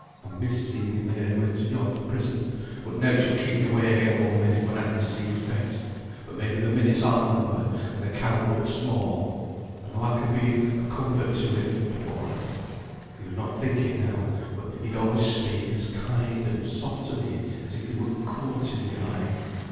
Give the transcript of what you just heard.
I missed seeing him ere he went to yon prison, but nought shall keep me away again one minute when I can see his face; for maybe the minutes are numbered, and the count but small. I know I can be a comfort to him, poor lad. You would not think it, now, but he'd alway speak as kind and soft to me as if he were courting me, like.